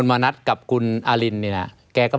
ไม่มีครับไม่มีครับ